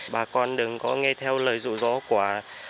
bà con đừng có nghe theo lời rụ rỗ của